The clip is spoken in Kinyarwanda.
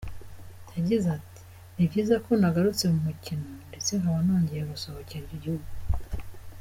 Yagize ati “Ni byiza ko nagarutse mu mukino ndetse nkaba nongeye gusohokera igihugu.